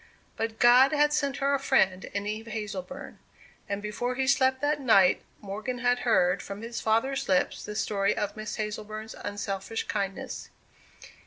But God had sent her a friend in Eve Hazleburn. And before he slept that night, Morgan had heard from his father's lips the story of Miss Hazleburn's unselfish kindness.